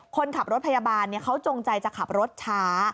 คนขับรถพยาบาลเขาจงใจจะขับรถช้า